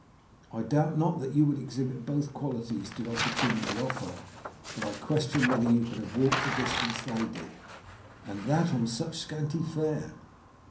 I doubt not that you would exhibit both qualities did opportunity offer, but I question whether you could have walked the distance they did, and that on such scanty fare.